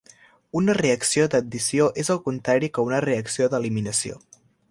Una reacció d'addició és el contrari que una reacció d'eliminació.